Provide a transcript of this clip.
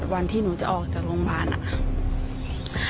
วันที่หนูจะออกจากโรงพยาบาลอ่ะ